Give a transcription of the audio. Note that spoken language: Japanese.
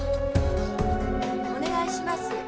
お願いします。